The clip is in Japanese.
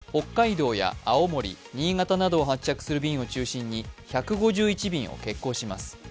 日本航空でも北海道や青森、新潟などを発着する便を中心に１５１便を欠航します。